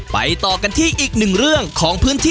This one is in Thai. ไปต่อกันที่อีก๑เรื่องของเลย